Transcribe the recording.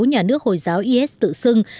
nhà nước hồi giáo is tự xưng